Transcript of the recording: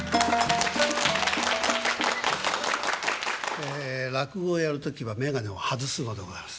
ええ落語をやる時は眼鏡を外すのでございます。